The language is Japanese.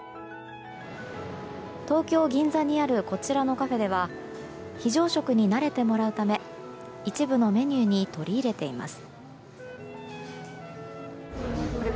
東京・銀座にあるこちらのカフェでは非常食に慣れてもらうため一部メニューに取り入れています。